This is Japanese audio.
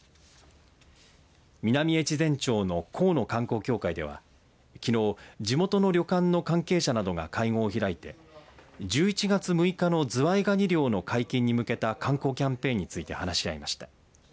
南越前町の河野観光協会ではきのう地元の旅館の関係者などが会合を開いて１１月６日のズワイガニ漁の解禁に向けた観光キャンペーンについて話し合いました。